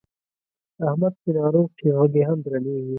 احمد چې ناروغ شي غږ یې هم درنېږي.